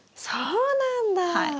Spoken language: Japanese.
そうなんだ。